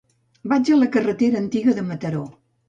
Vaig a la carretera Antiga de Mataró.